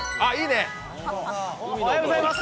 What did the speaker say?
おはようございます。